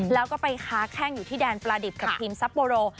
แล้วก็ไปค้าแข้งอยู่ที่แดนปลาดิบกับทีมซับโบโร